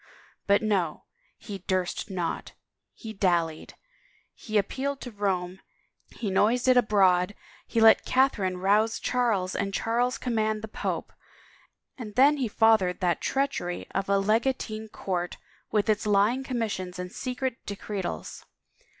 But no, he ' durst not,' he dallied, he appealed to Rome, he noised it abroad, he let Catherine rouse Charles and Charles command the pope, and then he fathered that treachery of a legatine court with its lying commissions and secret decretals.